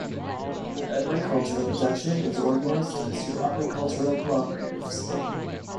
Agricultural production is organised in two agricultural cooperatives.